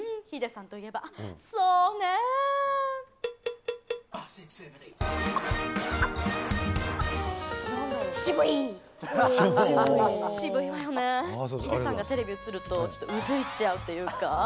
ヒデさんがテレビ映ると、ちょっとうずいちゃうっていうか。